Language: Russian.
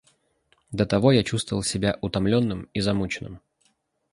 до того я чувствовал себя утомленным и замученным.